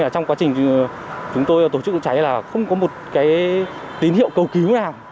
trong quá trình chúng tôi tổ chức chữa cháy là không có một cái tín hiệu cầu cứu nào